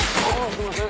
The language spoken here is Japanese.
すいません。